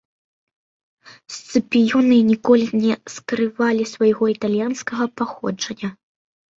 Сцыпіёны ніколі не скрывалі свайго італьянскага паходжання.